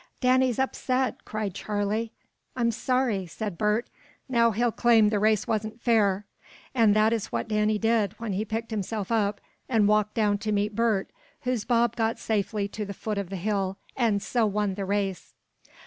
"Danny's upset!" cried Charley. "I'm sorry!" said Bert. "Now he'll claim the race wasn't fair." And that is what Danny did when he picked himself up, and walked down to meet Bert, whose bob got safely to the foot of the hill, and so won the race.